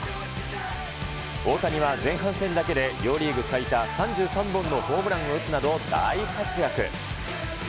大谷は前半戦だけで両リーグ最多３３本のホームランを打つなど大活躍。